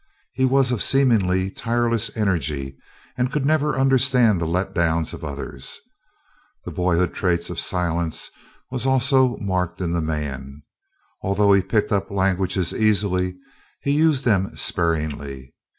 He was of seemingly tireless energy, and never could understand the let downs of others. The boyhood trait of silence was also marked in the man. Although he picked up languages easily, he used them sparingly.